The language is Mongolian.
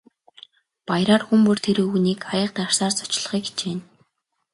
Баяраар хүн бүр тэр өвгөнийг аяга дарсаар зочлохыг хичээнэ.